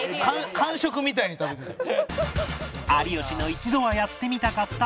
間食みたいに食べてた。